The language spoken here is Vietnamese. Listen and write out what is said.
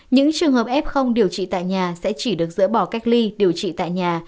những trường hợp f điều trị tại nhà sẽ chỉ được dỡ bỏ cách ly điều trị tại nhà